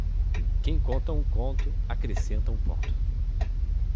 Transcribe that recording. Quem conta um conto, acrescenta um ponto.